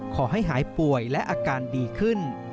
ขอให้หายป่วยและอาการดีขึ้น